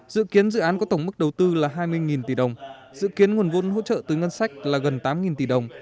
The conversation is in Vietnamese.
dự kiến dự án có tổng mức đầu tư là hai mươi tỷ đồng dự kiến nguồn vốn hỗ trợ từ ngân sách là gần tám tỷ đồng